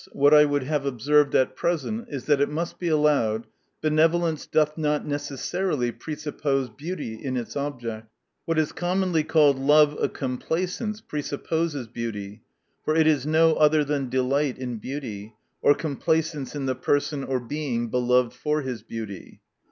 What I would have observed at present, is, that it must be allowed, benevolence doth not necessarily presuppose beauty in its object. What is commonly called love of complacence, presupposes beauty. For it is no other than delight in beauty ; or complacence in the person or Being belov ed for his beauty.